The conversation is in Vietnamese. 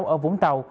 ở vũng tàu